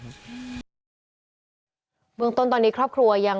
มีโรคหัวใจครับบืองต้นตอนนี้ครอบครัวยัง